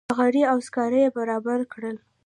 نغرۍ او سکاره یې برابر کړل.